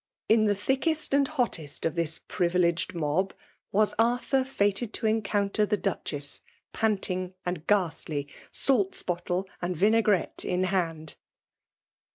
In the thickest and hottest of this privileged inob was Arthur fated to encounter tlic Duchess, panting and ghastly, salts bottle and vindi" grette in hand.